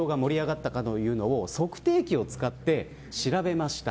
どれだけ会場が盛り上がったかを測定器を使って調べました。